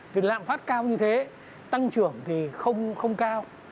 thì lạm phát cao như thế tăng trưởng thì không cao